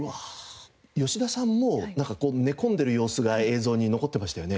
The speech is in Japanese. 吉田さんも寝込んでる様子が映像に残ってましたよね。